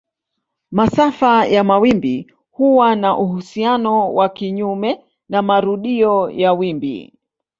Masafa ya mawimbi huwa na uhusiano wa kinyume na marudio ya wimbi.